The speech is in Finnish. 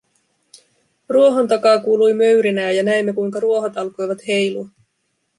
Ruohon takaa kuului möyrinää ja näimme, kuinka ruohot alkoivat heilua.